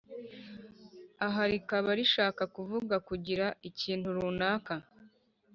aha rikaba rishaka kuvuga kugira ikintu runaka